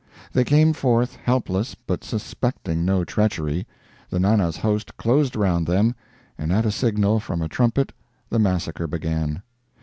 They came forth helpless but suspecting no treachery, the Nana's host closed around them, and at a signal from a trumpet the massacre began.